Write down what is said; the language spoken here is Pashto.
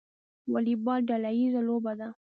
والیبال ډله ییزه لوبه ده